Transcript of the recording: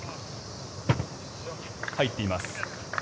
入っています。